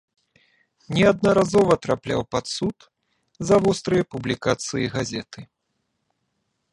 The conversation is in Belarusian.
Неаднаразова трапляў пад суд за вострыя публікацыі газеты.